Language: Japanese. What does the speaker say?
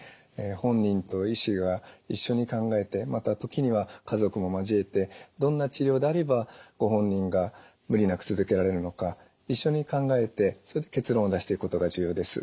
本人と医師が一緒に考えてまたときには家族も交えてどんな治療であればご本人が無理なく続けられるのか一緒に考えてそれで結論を出していくことが重要です。